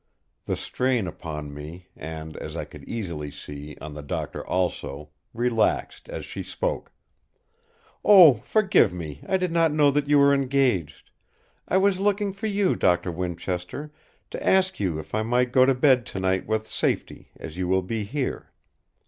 The strain upon me, and, as I could easily see, on the Doctor also, relaxed as she spoke: "Oh, forgive me, I did not know that you were engaged. I was looking for you, Doctor Winchester, to ask you if I might go to bed tonight with safety, as you will be here.